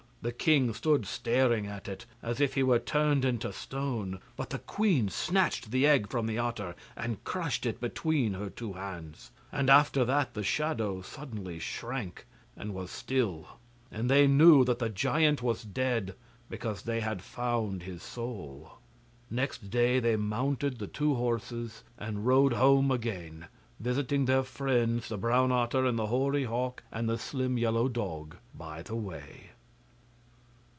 The king stood staring at it, as if he were turned into stone, but the queen snatched the egg from the otter and crushed it between her two hands. And after that the shadow suddenly shrank and was still, and they knew that the giant was dead, because they had found his soul. Next day they mounted the two horses and rode home again, visiting their friends the brown otter and the hoary hawk and the slim yellow dog by the way.